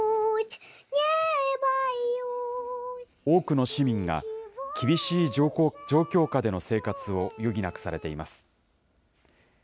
多くの市民が、厳しい状況下での生活を余儀なくされています。